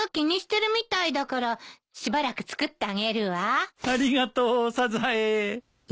ありがとうサザエ。